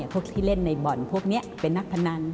พวกที่เล่นในบ่อนพวกนี้เป็นนักพนัน